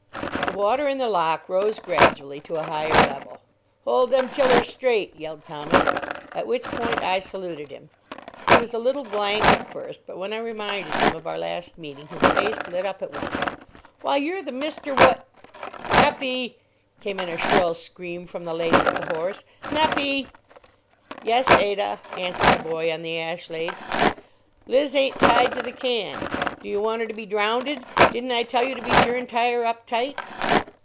The water in the lock rose gradually to a higher level. "Hold them tillers straight!" yelled Thomas. At which point I saluted him. He was a little blank at first, but when I reminded him of our last meeting his face lit up at once. "Why, you're the mister wot——" "Nuppie!" came in a shrill scream from the lady with the horse. "Nuppie!" "Yes, Ada!" answered the boy on the Ashlade. "Liz ain't tied to the can. D'you want 'er to be drownded? Didn't I tell you to be sure and tie her up tight?"